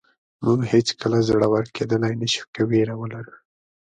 موږ هېڅکله زړور کېدلی نه شو که وېره ولرو.